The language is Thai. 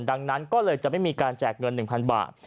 ดังนั้นก็เลยจะไม่มีการแจกเงิน๑๐๐บาท